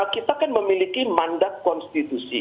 kita kan memiliki mandat konstitusi